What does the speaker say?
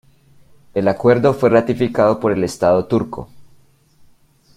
El acuerdo fue ratificado por el estado turco.